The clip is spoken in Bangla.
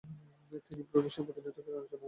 তিনি প্রুশিয়ার প্রতিনিধিত্ব করে আলোচনায় আসেন।